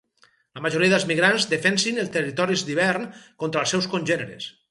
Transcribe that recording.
La majoria dels migrants defensin els territoris d'hivern contra els seus congèneres.